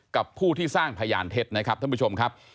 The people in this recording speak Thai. กับผู้ที่สร้างพยานเท็จนะครับท่านผู้ชมครับ